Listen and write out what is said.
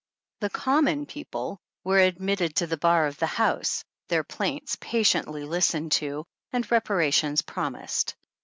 The " common people " were admitted to the bar of the house, their plaints patiently listened to, and reparation promised.